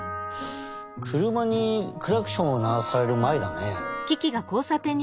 くるまにクラクションをならされるまえだね。